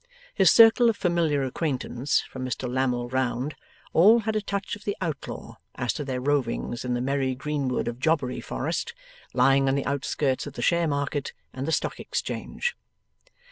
His circle of familiar acquaintance, from Mr Lammle round, all had a touch of the outlaw, as to their rovings in the merry greenwood of Jobbery Forest, lying on the outskirts of the Share Market and the Stock Exchange.